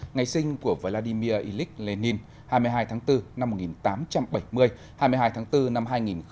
ngày sinh của vladimir ilyich lenin hai mươi hai tháng bốn năm một nghìn tám trăm bảy mươi hai mươi hai tháng bốn năm hai nghìn hai mươi